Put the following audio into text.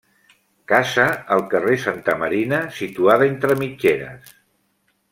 Casa al carrer Santa Marina, situada entre mitgeres.